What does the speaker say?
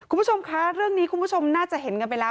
คุณผู้ชมคะเรื่องนี้คุณผู้ชมน่าจะเห็นกันไปแล้ว